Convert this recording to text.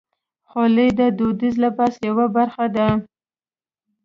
خولۍ د دودیز لباس یوه برخه ده.